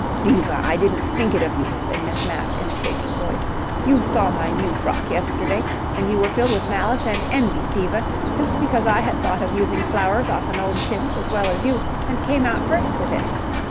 "Diva, I didn't think it of you," said Miss Mapp in a shaking voice. "You saw my new frock yesterday, and you were filled with malice and envy, Diva, just because I had thought of using flowers off an old chintz as well as you, and came out first with it.